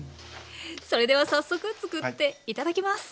それでは早速作って頂きます。